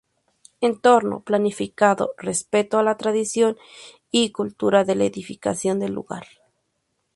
Entorno planificado, respeto a la tradición y cultura de la edificación del lugar.